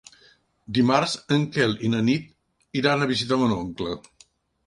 Dimarts en Quel i na Nit iran a visitar mon oncle.